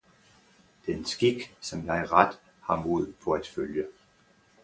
den skik, som jeg ret har mod på at følge!